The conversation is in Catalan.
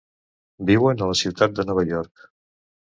Viuen a la ciutat de Nova York.